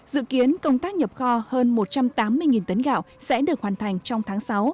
dự kiến công tác nhập kho hơn một trăm tám mươi tấn gạo sẽ được hoàn thành trong tháng sáu